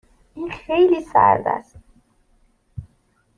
این خیلی سرد است.